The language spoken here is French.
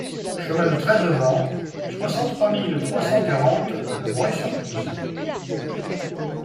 Chemin de Treize Vents, soixante-trois mille trois cent quarante Le Breuil-sur-Couze